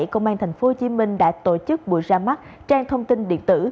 công an tp hcm đã tổ chức buổi ra mắt trang thông tin điện tử